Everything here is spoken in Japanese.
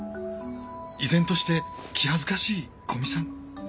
依然として気恥ずかしい古見さん。